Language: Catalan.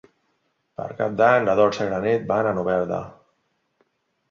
Per Cap d'Any na Dolça i na Nit van a Novelda.